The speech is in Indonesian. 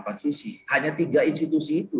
konstitusi hanya tiga institusi itu